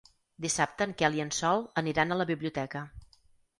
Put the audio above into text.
Dissabte en Quel i en Sol aniran a la biblioteca.